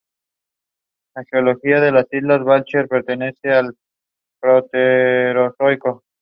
La geología de las islas Belcher pertenece al Proterozoico.